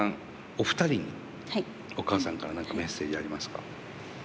お二人に、お母さんから何かメッセージありますか？